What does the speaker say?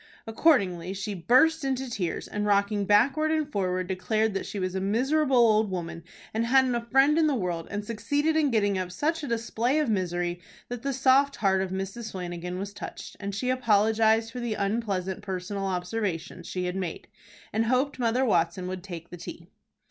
Accordingly she burst into tears, and, rocking backward and forward, declared that she was a miserable old woman, and hadn't a friend in the world, and succeeded in getting up such a display of misery that the soft heart of Mrs. Flanagan was touched, and she apologized for the unpleasant personal observations she had made, and hoped Mother Watson would take the tea.